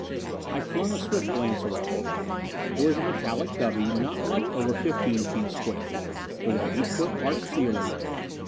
I flung a swift glance around. It was a metallic cubby, not much over fifteen feet square, with an eight foot arched ceiling.